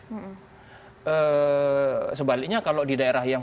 jadi sebaliknya kalau di daerah yang